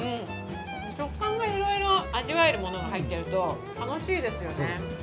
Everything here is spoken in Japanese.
食感がいろいろ味わえるものが入っていると楽しいですよね。